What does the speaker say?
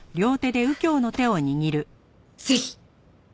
ぜひ。